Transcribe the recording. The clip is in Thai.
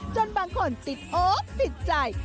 จนบางคนติดอกติดใจ